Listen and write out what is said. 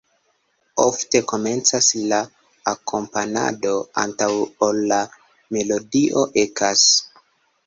Ofte komencas la akompanado, antaŭ ol la melodio ekas.